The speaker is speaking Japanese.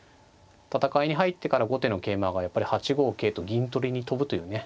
戦いに入ってから後手の桂馬がやっぱり８五桂と銀取りに跳ぶというね。